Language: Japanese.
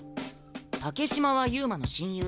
竹島は遊馬の親友。